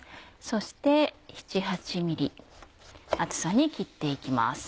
そして７８ｍｍ厚さに切って行きます。